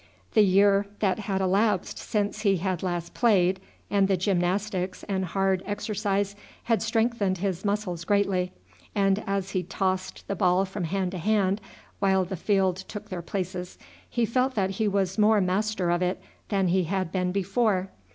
The year that had elapsed since he had last played, and the gymnastics and hard exercise, had strengthened his muscles greatly, and as he tossed the ball from hand to hand while the field took their places he felt that he was more master of it than he had been before.